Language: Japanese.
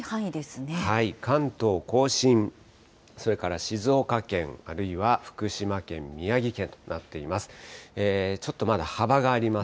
関東甲信、それから静岡県、あるいは福島県、宮城県となっています。